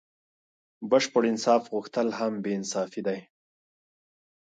بشپړ انصاف غوښتل هم بې انصافي دئ.